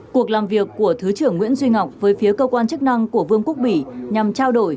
cuộc làm việc của thứ trưởng nguyễn duy ngọc với phía cơ quan chức năng của vương quốc bỉ nhằm trao đổi